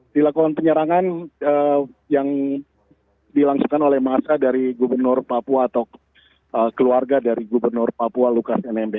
dilakukan penyerangan yang dilangsungkan oleh masa dari gubernur papua atau keluarga dari gubernur papua lukas nmb